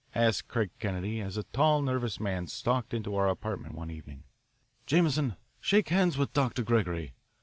asked Craig Kennedy as a tall, nervous man stalked into our apartment one evening. "Jameson, shake hands with Dr. Gregory.